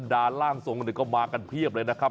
ด้านล่างทรงหนึ่งก็มากันเพียบเลยนะครับ